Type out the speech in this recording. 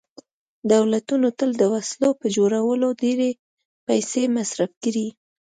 دولتونو تل د وسلو په جوړولو ډېرې پیسې مصرف کړي